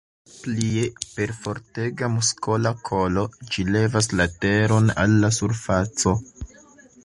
Plie, per fortega muskola kolo ĝi levas la teron al la surfaco.